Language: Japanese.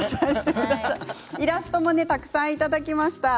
イラストもたくさん、いただきました。